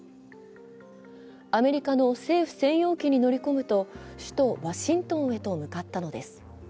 アメリカの政府専用機に乗り込むと首都ワシントンへと向かったのです。